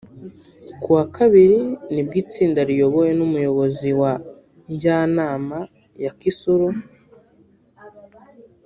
Ku wa kabiri nibwo itsinda riyobowe n’Umuyobozi wa Njyanama ya Kisoro